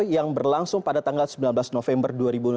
yang berlangsung pada tanggal sembilan belas november dua ribu enam belas